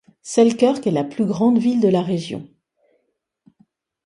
Selkirk est la plus grande ville de la région.